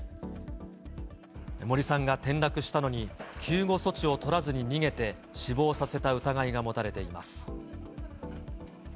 森さんが転落したのに、救護措置を取らずに逃げて死亡させた疑いが持たれています。